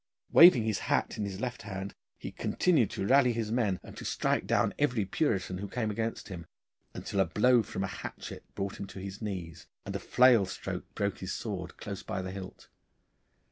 Waving his hat in his left hand he continued to rally his men, and to strike down every Puritan who came against him, until a blow from a hatchet brought him on his knees and a flail stroke broke his sword close by the hilt.